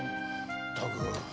ったく。